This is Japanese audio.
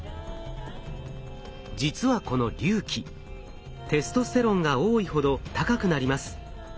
実はこの隆起テストステロンが多いほど高くなります。